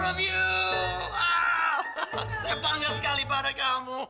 saya bangga sekali pada kamu